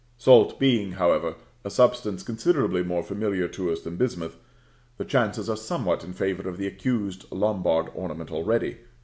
Salt being, however, a substance considerably more familiar to us than bismuth, the chances are somewhat in favor of the accused Lombard ornament already.